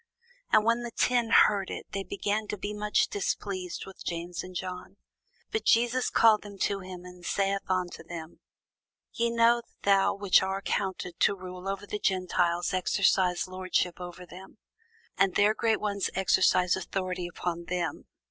And when the ten heard it, they began to be much displeased with James and John. But Jesus called them to him, and saith unto them, Ye know that they which are accounted to rule over the Gentiles exercise lordship over them; and their great ones exercise authority upon them.